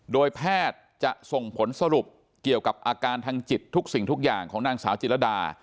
โดยแพทย์จะส่งผลสรุปเกี่ยวกับอาการทางจิตทุกสิ่งทุกอย่างของนางสาวจิรดา